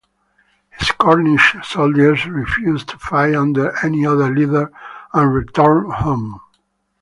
His Cornish soldiers refused to fight under any other leader and returned home.